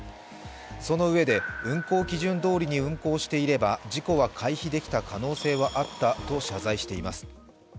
そのうえで運航基準通りに運航していれば事故は回避できた可能性はあった謝罪しています。